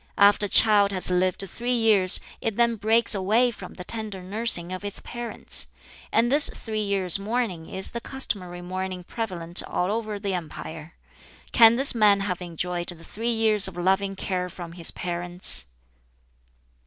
After a child has lived three years it then breaks away from the tender nursing of its parents. And this three years' mourning is the customary mourning prevalent all over the empire. Can this man have enjoyed the three years of loving care from his parents?"